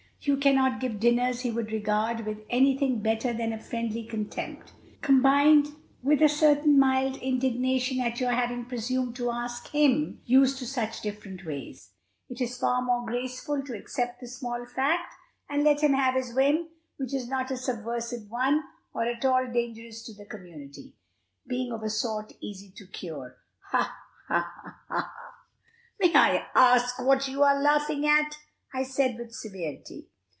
You cannot give dinners he would regard with any thing better than a friendly contempt, combined with a certain mild indignation at your having presumed to ask him, used to such different ways. It is far more graceful to accept the small fact, and let him have his whim, which is not a subversive one or at all dangerous to the community, being of a sort easy to cure. Ha! ha! ha!" "May I ask what you are laughing at?" I said with severity.